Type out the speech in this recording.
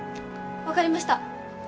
分かりました。